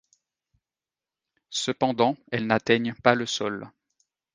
Cependant, elles n'atteignent pas le sol.